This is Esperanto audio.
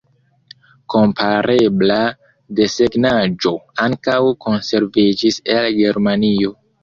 Komparebla desegnaĵo ankaŭ konserviĝis el Germanio.